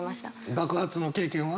爆発の経験は？